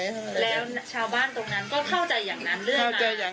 มามามาให้ข่าวทีหลัง